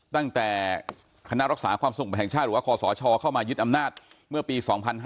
ตั้งแต่คณะรักษาความสงบแห่งชาติหรือว่าคอสชเข้ามายึดอำนาจเมื่อปี๒๕๕๙